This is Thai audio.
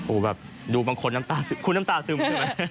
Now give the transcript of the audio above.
โอ้แบบดูบางคนคุณน้ำตาซึมใช่ไหม